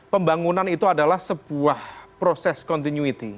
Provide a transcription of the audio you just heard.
pembangunan itu adalah sebuah proses continuity